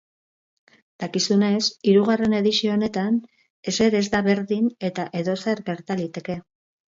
Dakizuenez, hirugarren edizio honetan ezer ez da berdin eta edozer gerta liteke.